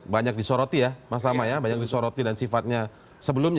banyak disoroti ya mas lama ya banyak disoroti dan sifatnya sebelumnya